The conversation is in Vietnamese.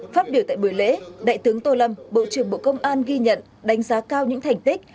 phát biểu tại buổi lễ đại tướng tô lâm bộ trưởng bộ công an ghi nhận đánh giá cao những thành tích